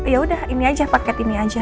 ya udah ini aja paket ini aja